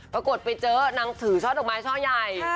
ปรากฏไปเจอนางถือช่อดอกไม้ช่อใหญ่